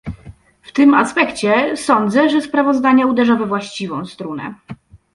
W tym aspekcie, sądzę, że sprawozdanie uderza we właściwą strunę